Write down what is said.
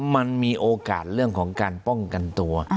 มันมีโอกาสเรื่องของการป้องกันตัว